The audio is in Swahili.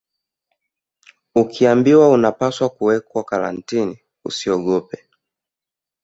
Ukiambiwa unapaswa kuwekwa Karantini usiogope